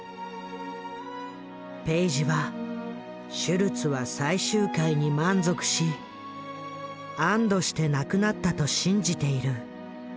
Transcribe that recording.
ペイジはシュルツは最終回に満足し安堵して亡くなったと信じている。